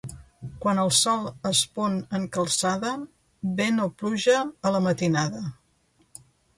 Quan el sol es pon en calçada, vent o pluja a la matinada.